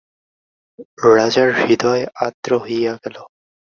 রাজার হৃদয় আর্দ্র হইয়া গেল।